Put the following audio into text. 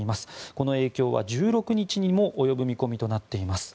この影響は１６日にも及ぶ見込みとなっています。